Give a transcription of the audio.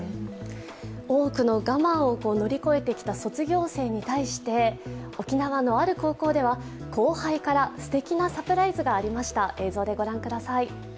多くの我慢を乗り越えてきた卒業生に対して、沖縄のある高校では後輩からすてきなサプライズがありました。